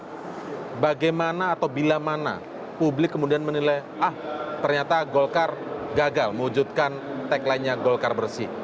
nah bagaimana atau bila mana publik kemudian menilai ah ternyata golkar gagal mewujudkan tagline nya golkar bersih